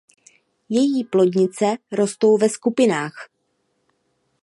Její plodnice rostou ve skupinách.